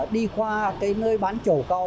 đi qua cái nơi bán trầu cao